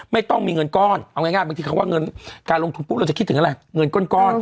ไม่ต้องมีเงินก้อนเอาง่ายบางทีเขาว่าเงินการลงทุนปุ๊บเราจะคิดถึงอะไรเงินก้อน